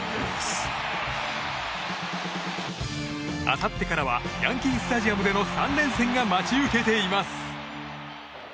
あさってからはヤンキー・スタジアムでの３連戦が待ち受けています。